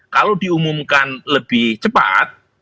kalau diumumkan lebih cepat